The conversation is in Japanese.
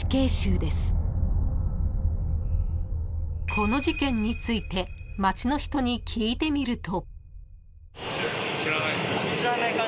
［この事件について街の人に聞いてみると］